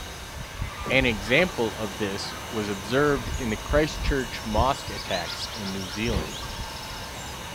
An example of this was observed in the Christchurch mosque attacks in New Zealand.